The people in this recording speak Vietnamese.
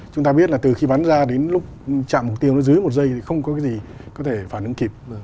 chúng ta biết là từ khi bắn ra đến lúc chạm mục tiêu nó dưới một giây thì không có cái gì có thể phản ứng kịp